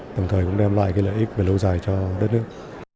đồng thời cũng đem lại lợi ích về lâu dài cho đất nước